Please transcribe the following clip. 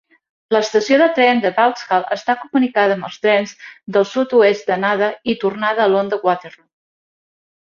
L'estació de tren de Vauxhall està comunicada amb els trens del sud-oest d'anada i tornada a London Waterloo.